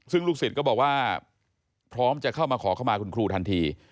ซึ่งลูกศิษย์ก็บอกว่าพร้อมจะเข้ามาขอเข้ามาคุณครูทันที